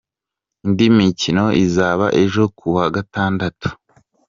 Indi mikino izaba ejo ku wa Gatandatu:.